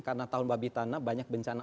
karena tahun babi tanah banyak bencana